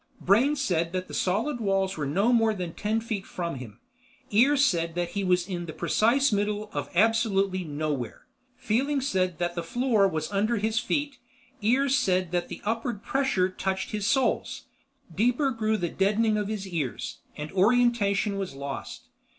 Brain said that the solid walls were no more than ten feet from him; ears said that he was in the precise middle of absolutely nowhere. Feeling said that the floor was under his feet, ears said that upward pressure touched his soles. Deeper grew the deadening of his ears, and orientation was lost.